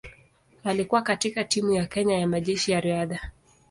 Alikuwa katika timu ya Kenya ya Majeshi ya Riadha.